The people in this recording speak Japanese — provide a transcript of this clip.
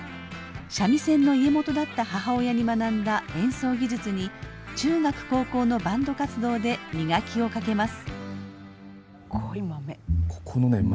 三味線の家元だった母親に学んだ演奏技術に中学高校のバンド活動で磨きをかけます。